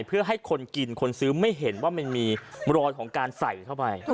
เพื่อให้คนกินคนซื้อไม่เห็นว่ามันมีรอยของการใส่เข้าไป